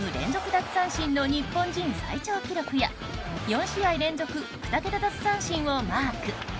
奪三振の日本人最長記録や４試合連続２桁奪三振をマーク。